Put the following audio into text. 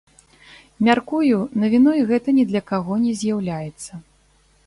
Мяркую, навіной гэта ні для каго не з'яўляецца.